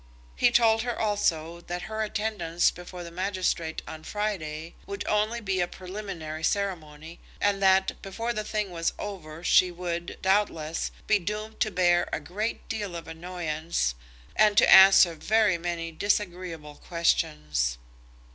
He told her also that her attendance before the magistrate on Friday would only be a preliminary ceremony, and that, before the thing was over she would, doubtless, be doomed to bear a great deal of annoyance, and to answer very many disagreeable questions.